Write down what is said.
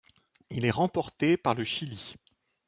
Il est remporté par le Chili.